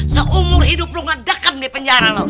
seumur hidup lo ngedekam di penjara lo